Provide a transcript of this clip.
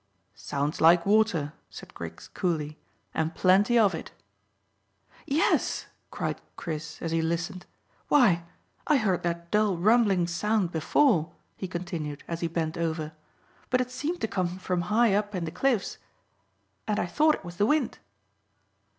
"Sounds like water," said Griggs coolly, "and plenty of it." "Yes," cried Chris, as he listened. "Why, I heard that dull, rumbling sound before," he continued, as he bent over, "but it seemed to come from high up in the cliffs, and I thought it was the wind."